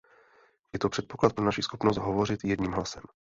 Je to předpoklad pro naši schopnost hovořit jedním hlasem.